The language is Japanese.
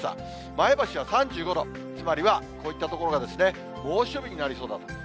前橋は３５度、つまりはこういった所が猛暑日になりそうなんです。